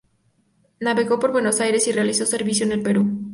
Navegó por Buenos Aires y realizó servicios en el Perú.